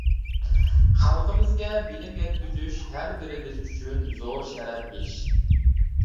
خەلقىمىزگە بىلىم يەتكۈزۈش ھەر بىرىمىز ئۈچۈن زور شەرەپ ئىش.